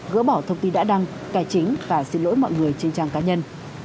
gỡ bỏ thông tin đã đăng cài chính và xin lỗi mọi người trên trang cá nhân